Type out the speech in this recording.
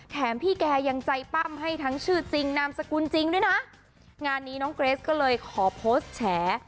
แถมพี่แกยังใจปั้มให้ทั้งชื่อจริงนามสกุลจริงด้วยนะงานนี้น้องเกรสก็เลยขอโพสต์แฉ